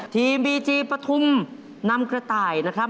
ทีมบีจีปฐุมนำกระต่ายนะครับ